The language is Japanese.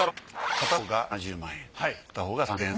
片方が３，０００円。